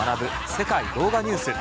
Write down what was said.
世界動画ニュース」。